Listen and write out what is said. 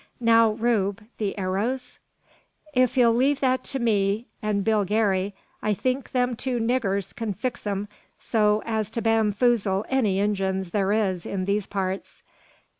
"Now, Rube; the arrows?" "If 'ee'll leave that to me an' Bill Garey, I think them two niggurs kin fix 'em so as to bamfoozle any Injuns thur is in these parts.